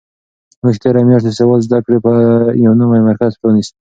موږ تېره میاشت د سواد زده کړې یو نوی مرکز پرانیست.